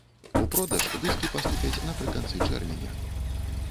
У продаж дыскі паступяць напрыканцы чэрвеня.